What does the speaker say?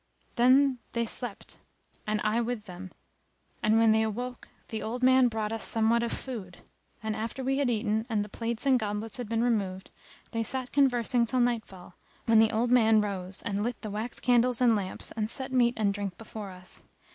Then they slept and I with them and when they awoke the old man brought us somewhat of food; and, after we had eaten and the plates and goblets had been removed, they sat conversing till night fall when the old man rose and lit the wax candles and lamps and set meat and drink before us.